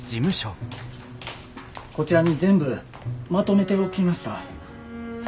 こちらに全部まとめておきました。